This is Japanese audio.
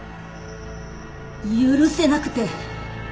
許せなくて。